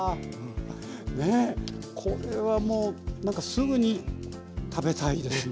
ねこれはもうなんかすぐに食べたいですね。